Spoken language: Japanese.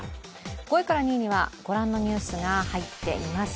５位から２位にはご覧のニュースが入っています